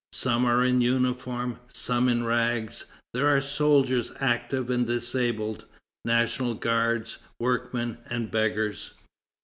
Some are in uniform, some in rags; there are soldiers, active and disabled, National Guards, workmen, and beggars.